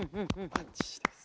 バッチシです。